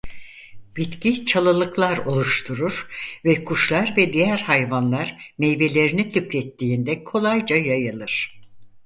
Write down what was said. Bitki çalılıklar oluşturur ve kuşlar ve diğer hayvanlar meyvelerini tükettiğinde kolayca yayılır.